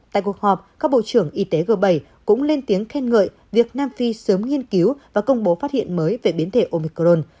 tại cuộc họp các bộ trưởng y tế g bảy cũng lên tiếng khen ngợi việc nam phi sớm nghiên cứu và công bố phát hiện mới về biến thể omicron